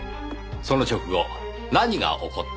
その直後何が起こったか。